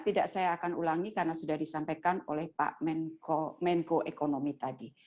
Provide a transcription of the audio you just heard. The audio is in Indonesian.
tidak saya akan ulangi karena sudah disampaikan oleh pak menko ekonomi tadi